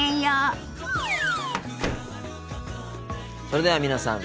それでは皆さん